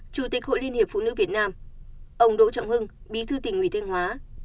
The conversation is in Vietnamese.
chủ tịch hội liên hiệp phụ nữ việt nam ông đỗ trọng hưng bí thư tỉnh ủy thanh hóa